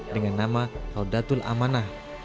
dengan nama haudatul amanah